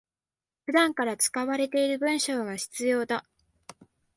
普段から使われている文章が必要だ